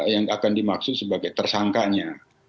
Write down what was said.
yang akan dimaksud sebagai tersangkanya